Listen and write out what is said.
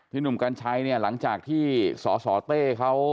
หนุ่มกัญชัยเนี่ยหลังจากที่สสเต้เขา